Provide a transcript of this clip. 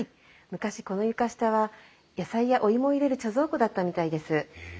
昔この床下は野菜やお芋を入れる貯蔵庫だったみたいです。